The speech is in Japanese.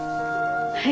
はい。